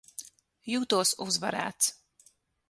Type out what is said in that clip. Jūtos uzvarēts.